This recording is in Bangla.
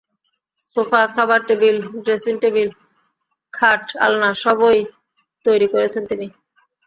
সোফা, খাবার টেবিল, ড্রেসিং টেবিল, খাট, আলনা সবই তৈরি করছেন তিনি।